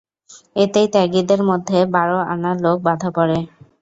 এতেই ত্যাগীদের মধ্যে বার আনা লোক বাঁধা পড়ে।